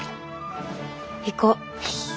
行こう。